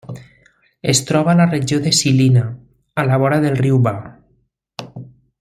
Es troba a la regió de Žilina, a la vora del riu Váh.